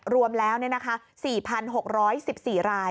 รวมแล้ว๔๖๑๔ราย